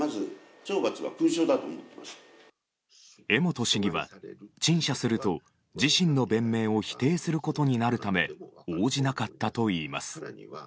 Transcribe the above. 江本市議は陳謝すると自身の弁明を否定することになるため応じなかったといいます。